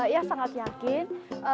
ya sangat yakin